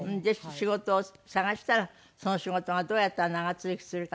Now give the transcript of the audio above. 仕事を探したらその仕事がどうやったら長続きするかなって考えて。